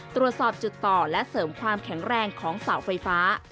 ตรวจสอบจุดต่อและเสริมความแข็งแรงของเสาไฟฟ้า